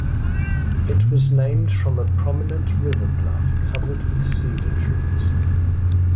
It was named from a prominent river bluff covered with cedar trees.